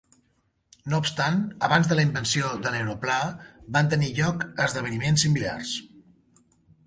No obstant, abans de la invenció de l'aeroplà, van tenir lloc esdeveniments similars.